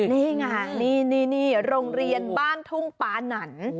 นี่ไงนี่โรงเรียนบ้านทุ่งปานัน